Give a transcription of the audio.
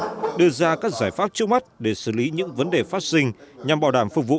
đưa ra các giải pháp trước mắt để xử lý những vấn đề phát sinh nhằm bảo đảm phục vụ